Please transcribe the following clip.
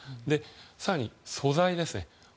更に素材ですね。